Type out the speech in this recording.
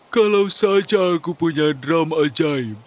kalau saja aku punya drum ajaib